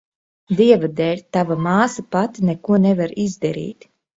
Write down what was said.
Dieva dēļ, tava māsa pati neko nevar izdarīt.